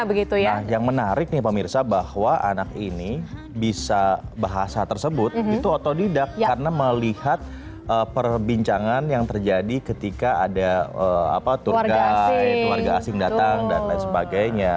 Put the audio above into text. nah yang menarik nih pemirsa bahwa anak ini bisa bahasa tersebut itu otodidak karena melihat perbincangan yang terjadi ketika ada tur guy keluarga asing datang dan lain sebagainya